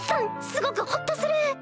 すごくホッとする！